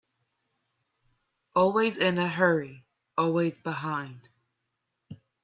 Always in a hurry, always behind.